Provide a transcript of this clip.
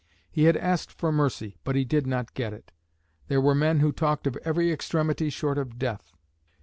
He had asked for mercy, but he did not get it. There were men who talked of every extremity short of death.